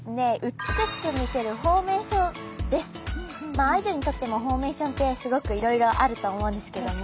まあアイドルにとってもフォーメーションってすごくいろいろあると思うんですけども。